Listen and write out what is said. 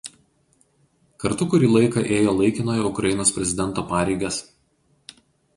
Kartu kurį laiko ėjo laikinojo Ukrainos prezidento pareigas.